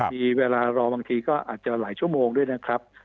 มีเวลารอบางทีก็อาจจะหลายชั่วโมงด้วยนะครับ